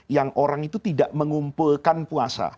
yang orang itu tidak mengumpulkan puasa